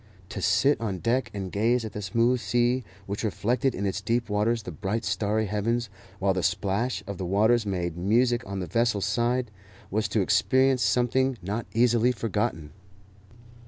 To sit on deck and gaze at the smooth sea, which reflected in its deep waters the bright starry heavens, while the splash of the waters made music on the vessel's side, was to experience something not easily forgotten.